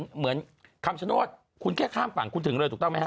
เหมือนคำชโนธคุณแค่ข้ามฝั่งคุณถึงเลยถูกต้องไหมฮ